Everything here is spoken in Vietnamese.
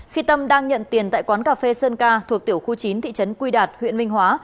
khi tâm đang nhận tiền tại quán cà phê sơn ca thuộc tiểu khu chín thị trấn quy đạt huyện minh hóa